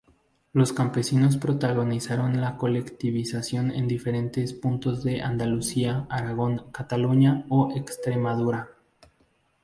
Los campesinos protagonizaron la colectivización en diferentes puntos de Andalucía, Aragón, Cataluña o Extremadura.